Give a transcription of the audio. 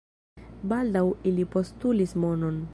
Baldaŭ ili postulis monon.